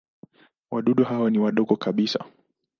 Wadudu hawa ni wadogo kabisa.